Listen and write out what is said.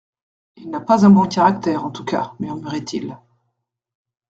Il n'a pas un bon caractère, en tout cas, murmurait-il.